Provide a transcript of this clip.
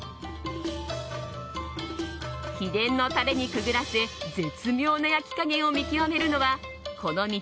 秘伝のタレにくぐらせ絶妙な焼き加減を見極めるのはこの道